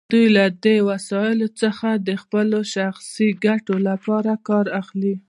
دوی له دې وسایلو څخه د خپلو شخصي ګټو لپاره کار اخلي.